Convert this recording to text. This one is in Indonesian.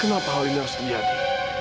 kenapa hal ini harus terjadi